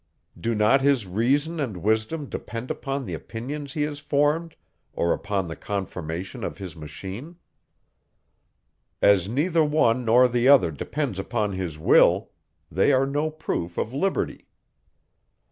Do not his reason and wisdom depend upon the opinions he has formed, or upon the conformation of his machine? As neither one nor the other depends upon his will, they are no proof of liberty.